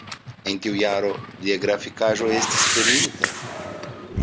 En tiu jaro lia grafikaĵo estis premiita.